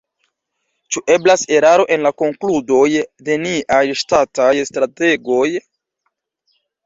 Ĉu eblas eraro en la konkludoj de niaj ŝtataj strategoj?